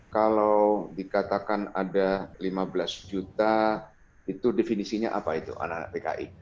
kalau dikatakan ada lima belas juta itu definisinya apa itu anak anak pki